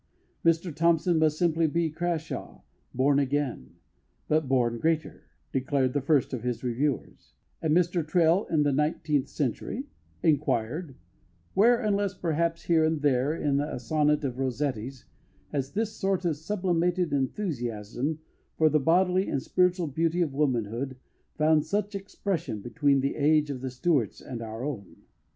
"Mr Thompson must simply be Crashaw born again, but born greater," declared the first of his reviewers; and Mr Traill, in The Nineteenth Century, inquired: "Where, unless perhaps here and there in a sonnet of Rossetti's, has this sort of sublimated enthusiasm for the bodily and spiritual beauty of womanhood found such expression between the age of the Stuarts and our own?"